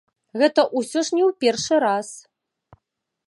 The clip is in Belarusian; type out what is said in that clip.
Гэта ўсё ўжо не ў першы раз.